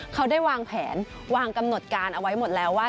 เขาได้วางแผนวางกำหนดการเอาไว้หมดแล้วว่า